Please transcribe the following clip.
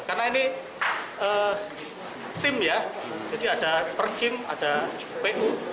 karena ini tim ya jadi ada percim ada pu